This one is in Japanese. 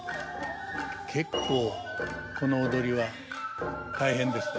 結構この踊りは大変ですね。